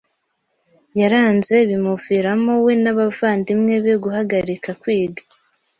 yaranze bimuviramo we n’abavandimwe be guhagarika kwiga